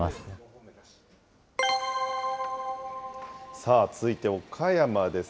さあ続いて岡山です。